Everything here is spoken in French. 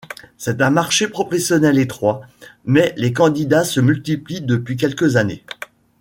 C'est un marché professionnel étroit, mais les candidats se multiplient depuis quelques années.